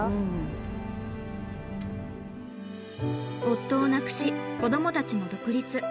夫を亡くし子どもたちも独立。